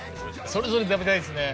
それぞれ食べたいですね。